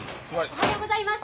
おはようございます。